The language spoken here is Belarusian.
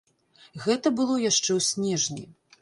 Гэта было яшчэ ў снежні.